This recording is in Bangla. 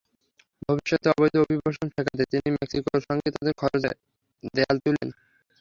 ভবিষ্যতে অবৈধ অভিবাসন ঠেকাতে তিনি মেক্সিকোর সঙ্গে তাঁদের খরচে দেয়াল তুলবেন।